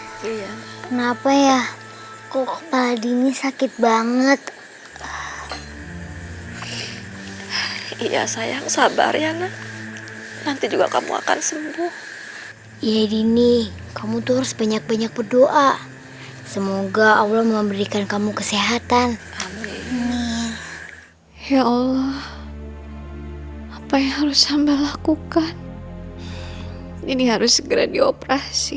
oh ya kenapa ya kok pak dini sakit banget oh iya sayang sabar ya nanti juga kamu akan sembuh ya dini kamu terus banyak banyak berdoa semoga allah memberikan kamu kesehatan ya allah apa yang harus sampai lakukan ini harus segera dioperasi